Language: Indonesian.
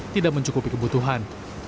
tidak mencukupi kebutuhan